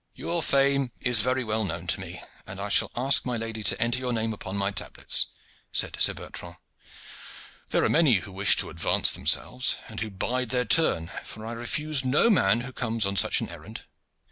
"Your fame is very well known to me, and I shall ask my lady to enter your name upon my tablets," said Sir Bertrand. "There are many who wish to advance themselves, and who bide their turn, for I refuse no man who comes on such an errand.